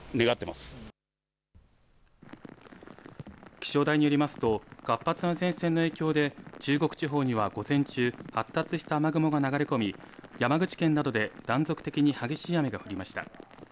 気象台によりますと活発な前線の影響で中国地方には午前中、発達した雨雲が流れ込み山口県などで断続的に激しい雨が降りました。